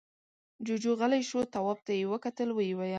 جُوجُو غلی شو، تواب ته يې وکتل، ويې ويل: